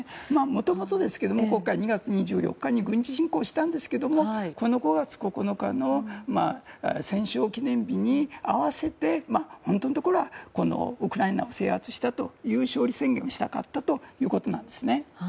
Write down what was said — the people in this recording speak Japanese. もともと、２月２４日に軍事侵攻したんですけどもこの５月９日の戦勝記念日に合わせて、本当のところはウクライナを制圧したと勝利宣言したかったということなんですね。